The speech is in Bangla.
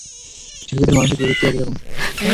শিল্পীদের মানসিক প্রবৃত্তিই এরকম।